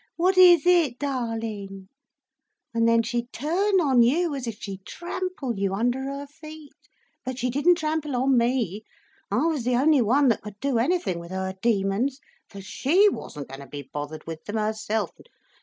What is it, Darling?' And then she'd turn on you as if she'd trample you under her feet. But she didn't trample on me. I was the only one that could do anything with her demons—for she wasn't going to be bothered with them herself.